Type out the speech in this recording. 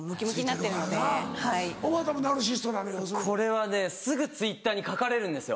これはねすぐＴｗｉｔｔｅｒに書かれるんですよ。